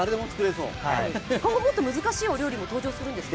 今後もっと難しいお料理も登場するんですか？